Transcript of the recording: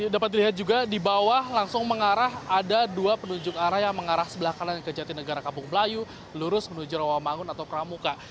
dapat dilihat juga di bawah langsung mengarah ada dua penunjuk arah yang mengarah sebelah kanan ke jatinegara kampung melayu lurus menuju rawamangun atau pramuka